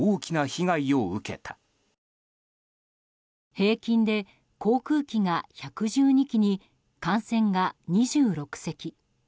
平均で、航空機が１１２機に艦船が２６隻。